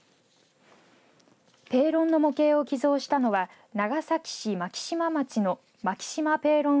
ペーロンの模型を寄贈したのは長崎市牧島町の牧島ペーロン